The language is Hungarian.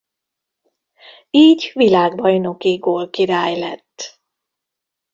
Így világbajnoki gólkirály lett.